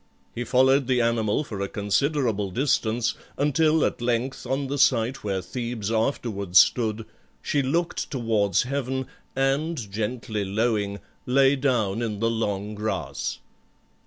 He followed the animal for a considerable distance, until at length, on the site where Thebes afterwards stood, she looked towards heaven and, gently lowing, lay down in the long grass.